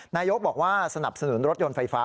นายกบอกว่าสนับสนุนรถยนต์ไฟฟ้า